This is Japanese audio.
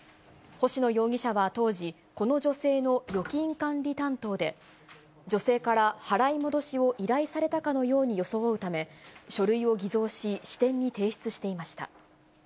星野容疑者は当時、この女性の預金管理担当で、女性から払い戻しを依頼されたかのように装うため、書類を偽造し、支店に提出していました。